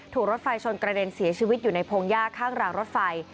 รถไฟชนกระเด็นเสียชีวิตอยู่ในพงหญ้าข้างรางรถไฟ